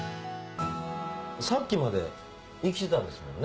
さっきまで生きてたんですもんね。